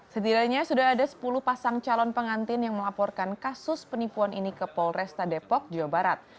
setidaknya sudah ada sepuluh pasang calon pengantin yang melaporkan kasus penipuan ini ke polresta depok jawa barat